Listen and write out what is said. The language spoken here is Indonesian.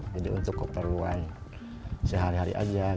jadi untuk keperluan sehari hari aja